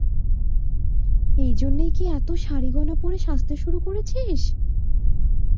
এই জন্যেই কি এত শাড়ি-গয়না পরে সাজতে শুরু করেছিস?